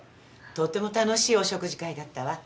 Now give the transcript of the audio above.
とても楽しいお食事会だったわ。